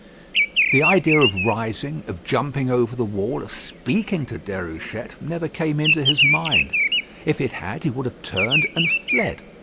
The idea of rising, of jumping over the wall, of speaking to Déruchette, never came into his mind. If it had he would have turned and fled.